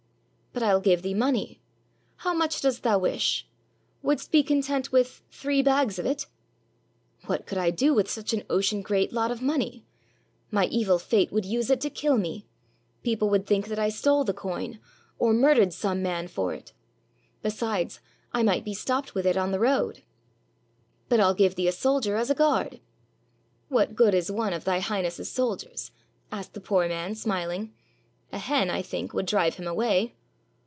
"But I'll give thee money. How much dost thou wish? Wouldst be content with three bags of it ?" "W^hat could I do with such an ocean great lot of money? My evil fate would use it to kill me; people would think that I stole the coin, or murdered some man for it; besides, I might be stopped with it on the road." "But I'll give thee a soldier as a guard." "What good is one of Thy Highness's soldiers? " asked the poor man, smiling; "a hen, I think, would drive him away."